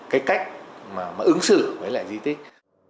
cái cách mà ứng xử với lại di tích